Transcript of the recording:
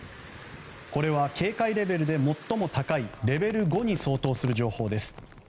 これは警戒レベルで最も高いレベル５に相当する情報です。